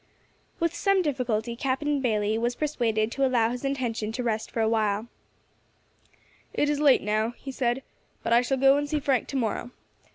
With some difficulty Captain Bayley was persuaded to allow his intention to rest for a while. "It is late now," he said, "but I shall go and see Frank to morrow.